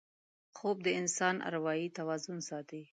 خوب د انسان اروايي توازن ساتي